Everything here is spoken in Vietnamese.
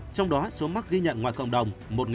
trong đó số mắc ghi nhận ngoài cộng đồng một bảy trăm linh tám